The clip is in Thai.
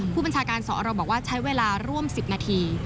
ผู้บัญชาการสอรบอกว่าใช้เวลาร่วม๑๐นาที